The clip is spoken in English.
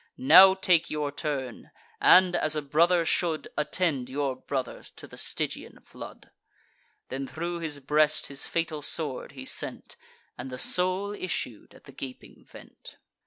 Now take your turn; and, as a brother should, Attend your brother to the Stygian flood." Then thro' his breast his fatal sword he sent, And the soul issued at the gaping vent.